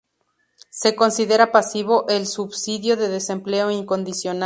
Se considera pasivo el subsidio de desempleo incondicional.